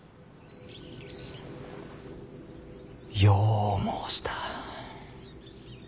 よう申した。